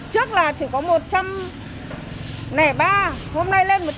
trước là chỉ có một trăm linh ba hôm nay lên một trăm linh